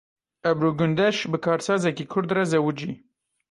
Ebru Gundeş bi karsazekî Kurd re zewicî.